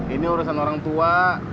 ini urusan orang tua